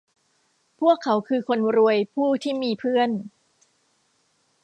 พวกเขาคือคนรวยผู้ที่มีเพื่อน